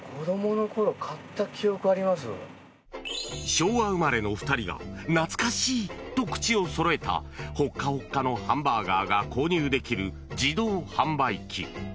昭和生まれの２人が懐かしいと口をそろえたホカホカのハンバーガーが購入できる自動販売機。